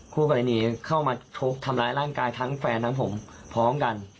คู่กรณีเข้ามาทำร้ายร่างกายทั้งแฟนทั้งผมพร้อมกัน